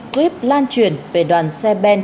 clip lan truyền về đoàn xe ben